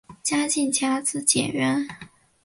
嘉靖甲子解元。